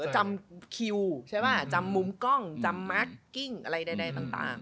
จำคิวใช่ป่ะจำมุมกล้องจำมาร์คกิ้งอะไรใดต่าง